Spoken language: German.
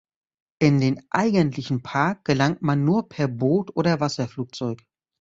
In den eigentlichen Park gelangt man nur per Boot oder Wasserflugzeug.